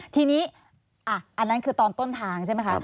ทีนี้อันนั้นคือตอนต้นทางใช่ไหมคะ